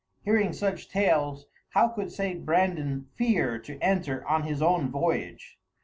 Hearing such tales, how could St. Brandan fear to enter on his voyage?